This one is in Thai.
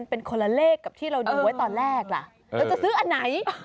สองดูแล้วคงไม่ชัด